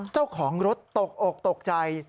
เจ้าของรถตกอกตกใจ